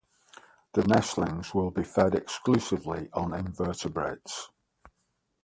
The nestlings will be fed exclusively on invertebrates.